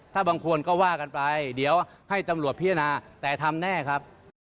ถ้าบางคนก็ว่ากันไปเดี๋ยวให้ตำรวจพิจารณาแต่ทำแน่ครับ